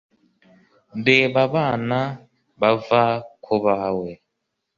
reba abana bava ku bawe